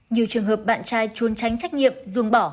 nhiều trường hợp bạn trai chuôn tránh trách nhiệm dùng bỏ